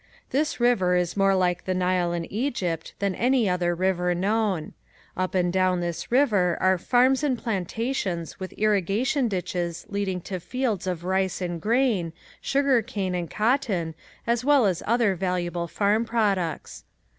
This river is more like the Nile in Egypt than any other river known. Up and down this river are farms and plantations with irrigation ditches leading to fields of rice and grain, sugar cane and cotton as well as other valuable farm products.